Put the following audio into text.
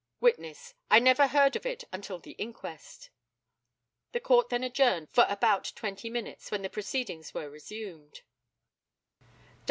Witness: I never heard of it until the inquest. The Court then adjourned for about twenty minutes, when the proceedings were resumed.